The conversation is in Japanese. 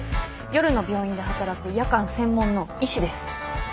夜の病院で働く夜間専門の医師です。